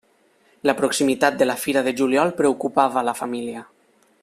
La proximitat de la Fira de Juliol preocupava la família.